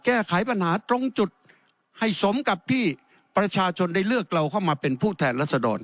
แก้ไขปัญหาตรงจุดให้สมกับที่ประชาชนได้เลือกเราเข้ามาเป็นผู้แทนรัศดร